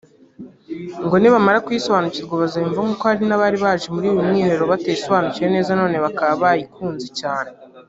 ngo nibamara kuyisobanurirwa bazayumva nk’uko hari n’abari baje muri uyu mwiherero batayisobanukiwe neza bakaba barayikunze cyane